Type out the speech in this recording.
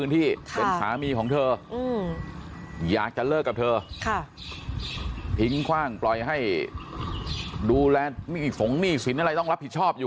ทิ้งคว่างปล่อยให้ดูแลนี่ฝงหนี้สินอะไรต้องรับผิดชอบอยู่